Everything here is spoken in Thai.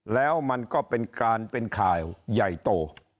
แล้วมันก็เป็นการเป็นข่าวใหญ่โต